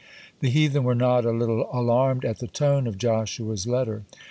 The heathen were not a little alarmed at the tone of Joshua's letter.